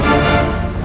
aku sudah menang